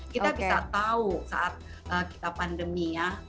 kita bisa tahu saat kita pandemi ya